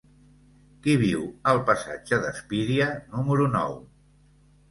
Qui viu al passatge d'Espíria número nou?